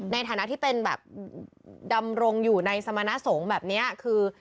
ในฐานะที่เป็นแบบดำรงอยู่ในสมณสงฆ์แบบนี้คือ